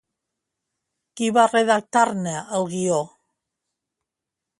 Qui va redactar-ne el guió?